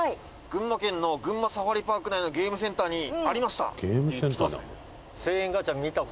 「“群馬県の群馬サファリパーク内のゲームセンターにありました”って来てますね」